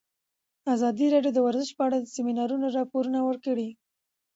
ازادي راډیو د ورزش په اړه د سیمینارونو راپورونه ورکړي.